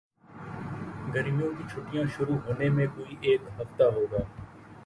گرمیوں کی چھٹیاں شروع ہونے میں کوئی ایک ہفتہ ہو گا